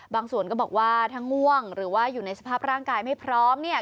ส่วนก็บอกว่าถ้าง่วงหรือว่าอยู่ในสภาพร่างกายไม่พร้อมเนี่ย